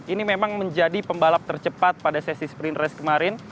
ini memang menjadi pembalap tercepat pada sesi sprint race kemarin